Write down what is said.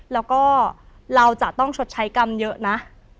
แล้วก็เราจะต้องชดใช้กรรมเยอะนะ